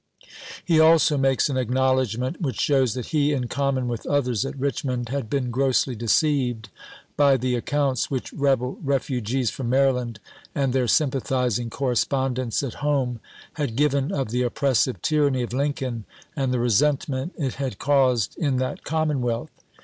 He also makes an acknowledgment which shows that he, in common with others at Richmond, had been grossly deceived by the ac counts which rebel refugees from Maryland, and their sympathizing correspondents at home, had given of the oppressive tyranny of Lincoln, and the resentment it had caused in that commonwealth.